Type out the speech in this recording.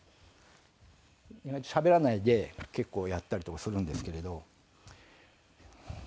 意外としゃべらないで結構やったりとかするんですけれど。